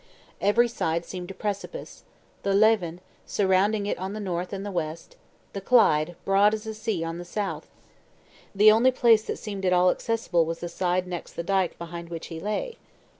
Every side seemed a precipice; the Leven, surrounding it on the north and the west; the Clyde, broad as a sea, on the south. The only place that seemed at all accessible was the side next the dike behind which he lay.